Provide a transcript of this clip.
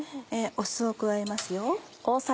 酢を加えます。